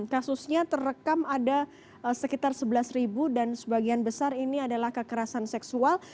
kasusnya terekam ada sekitar sebelas ribu dan sebagian besar ini adalah kekerasan seksual